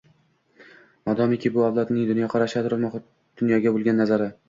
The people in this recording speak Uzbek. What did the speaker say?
Modomiki bu avlodning dunyoqarashi, atrof-dunyoga bo‘lgan nazari